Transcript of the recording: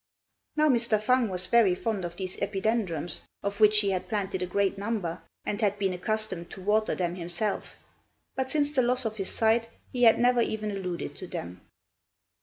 Now Mr. Fang was very fond of these epidendrums, of which he had planted a great number, and had been accustomed to water them himself; but since the loss of his sight he had never even alluded to them.